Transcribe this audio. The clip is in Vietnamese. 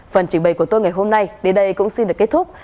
phần trình bày của tôi ngày hôm nay đến đây cũng xin được kết thúc